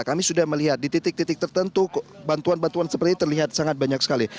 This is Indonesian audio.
kami sudah melihat di titik titik tertentu bantuan bantuan seperti ini terlihat sangat banyak sekali